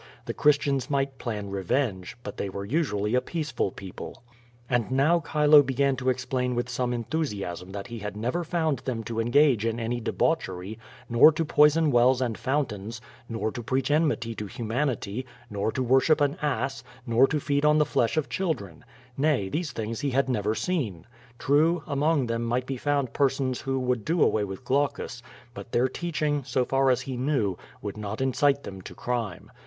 The Christians might plan revenge, but they were usually a peaceful people. 134 Q^O VADIS. And now Chilo began to explain with some enthusiam that he had never found them to engage in any debauchery, nor to poison wells and fountains, nor to preach enmity to human ity, nor to worship an ass, nor to feed on the flesh of children. Kay, these things he had never seen. True, among them might be found persons who would do away with Olaueus, but their teaching, so far as he knew, would not incite them to crime.